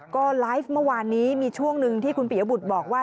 ก็ไลฟ์เมื่อวานนี้มีช่วงหนึ่งที่คุณปียบุตรบอกว่า